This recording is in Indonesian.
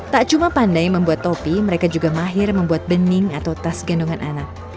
tak cuma pandai membuat topi mereka juga mahir membuat bening atau tas gendongan anak